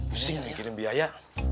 pusing mikirin biaya